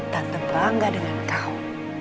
tante bangga dengan kau